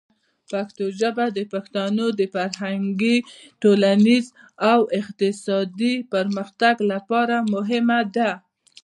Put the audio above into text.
پښتو ژبه د پښتنو د فرهنګي، ټولنیز او اقتصادي پرمختګ لپاره مهمه ده.